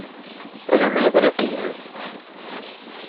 Ala ma yeḍla-t i gma-s.